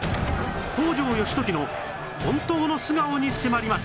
北条義時の本当の素顔に迫ります